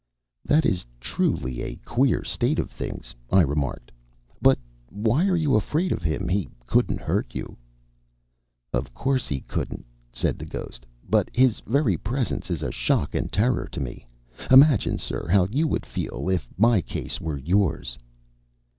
"That is truly a queer state of things," I remarked. "But why are you afraid of him? He couldn't hurt you." "Of course he couldn't," said the ghost. "But his very presence is a shock and terror to me. Imagine, sir, how you would feel if my case were yours."